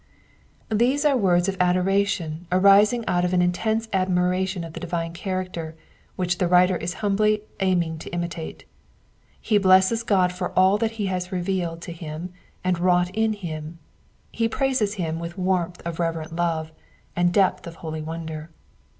These are words of adoration arising out of an intense admiration of the divine character, which the writer is humbly aiming to imitate. He blesses God for all that he has revealed to him, and wrought in him ; he praises him with warmth of reverent love, and depth of holy wonder.